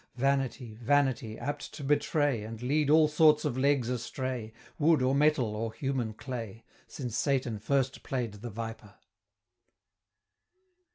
Vanity, Vanity, apt to betray, And lead all sorts of legs astray, Wood, or metal, or human clay, Since Satan first play'd the Viper!